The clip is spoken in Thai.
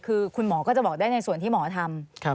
คือคุณหมอก็จะบอกได้ในส่วนที่หมอทำ